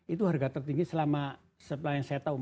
itu harga tertinggi selama yang saya tahu